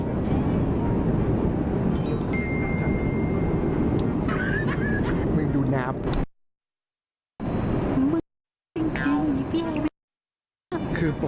กูเริ่มสงสารพี่แอร์แล้ววะ